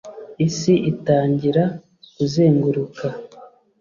isi itangira kuzenguruka